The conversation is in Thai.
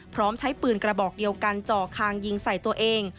พร้อมใช้ปืนกระบอกเดียวกันจ่อคางยิงใส่ตัวเอง